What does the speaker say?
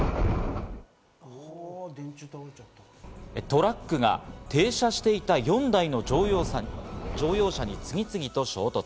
トラックが停車していた４台の乗用車に次々と衝突。